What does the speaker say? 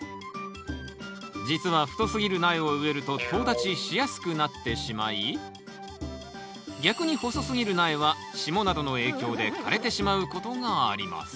実は太すぎる苗を植えるととう立ちしやすくなってしまい逆に細すぎる苗は霜などの影響で枯れてしまうことがあります。